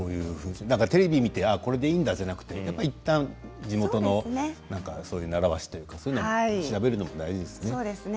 テレビで見てこれでいいんだじゃなくていったん地元の習わしとかそういうのを調べるのも大事ですね。